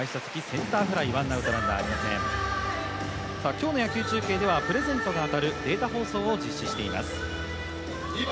今日の野球中継ではプレゼントが当たるデータ放送を実施しています。